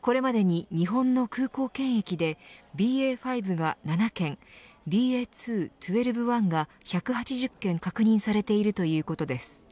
これまでに日本の空港検疫でＢＡ．５が７件ＢＡ．２．１２．１が１８０件確認されているということです。